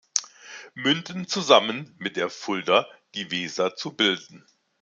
Münden zusammen mit der Fulda die Weser zu bilden.